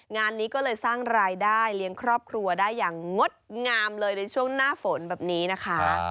งานนี้ก็เลยสร้างรายได้เลี้ยงครอบครัวได้อย่างงดงามเลยในช่วงหน้าฝนแบบนี้นะคะ